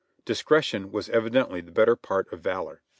Discretion was evidently the better part of valor.